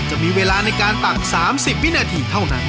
จะมีเวลาในการตัก๓๐วินาทีเท่านั้น